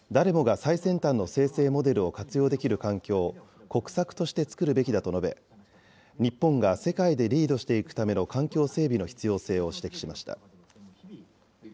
誰もが最先端の生成モデルを活用できる環境を国策として作るべきだと述べ、日本が世界でリードしていくための環境整備の必要性を指摘しました。